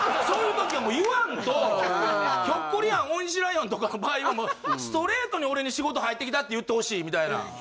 そういう時はもう言わんとひょっこりはん大西ライオンとかの場合はもうストレートに俺に仕事入ってきたって言ってほしいみたいな。